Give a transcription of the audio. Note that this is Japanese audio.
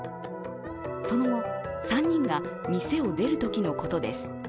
その後３人が店を出るときのことです。